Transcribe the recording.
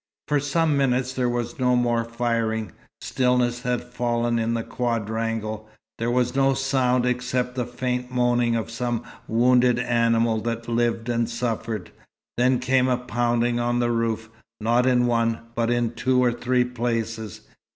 For some minutes there was no more firing. Stillness had fallen in the quadrangle. There was no sound except the faint moaning of some wounded animal that lived and suffered. Then came a pounding on the roof, not in one, but in two or three places.